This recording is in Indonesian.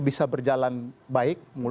bisa berjalan baik